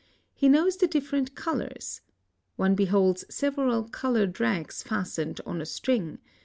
He' knows the different colors. One beAiolds several colored rags fastened en a string.